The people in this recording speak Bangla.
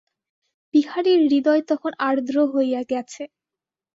বিহারীর হৃদয় তখন আর্দ্র হইয়া গেছে।